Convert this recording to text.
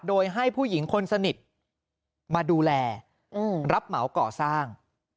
โดยให้ผู้หญิงคนสนิทมาดูแลรับเหมาก่อสร้าง